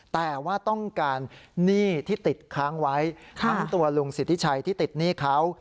แต่ว่าต้องการหนี้ที่ติดค้างไว้ทั้งตัวลุงสิทธิชัยที่ติดหนี้เขา